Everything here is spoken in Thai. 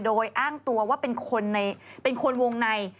โดยอ้างตัวว่าเป็นคนวงใน